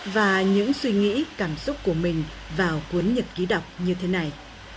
và những suy nghĩ cảm xúc của mình vào cuốn nhật ký đọc như thế này